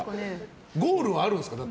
ゴールはあるんですか？